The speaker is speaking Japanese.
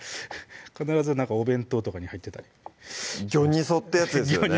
必ずお弁当とかに入ってたりギョニソってやつですよね